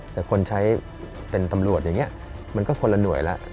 แต่คนใช้เป็นตำรวจอย่างนี้มันก็คนละหน่วยแล้ว